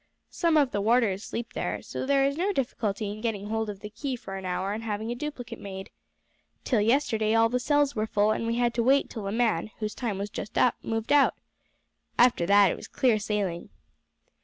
Some of the warders sleep there, so there was no difficulty in getting hold of the key for an hour and having a duplicate made. Till yesterday all the cells were full, and we had to wait till a man, whose time was just up, moved out. After that it was clear sailing."